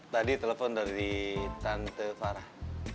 tadi telepon dari tante farah